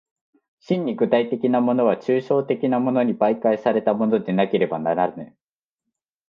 真に具体的なものは抽象的なものに媒介されたものでなければならぬ。